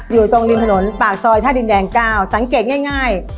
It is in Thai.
อยู่ตรงริมถนนปากซอยท่าดินแดง๙สังเกตง่าย